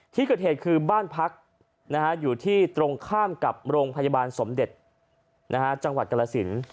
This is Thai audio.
ที่เกิดเหตุคือบ้านพักอยู่ที่ตรงข้ามกับโรงพยาบาลสมเด็จจังหวัดกรสิน